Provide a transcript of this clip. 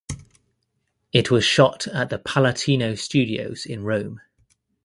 It was shot at the Palatino Studios in Rome.